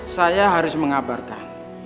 saya harus mengabarkan